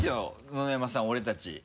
野々山さん俺たち。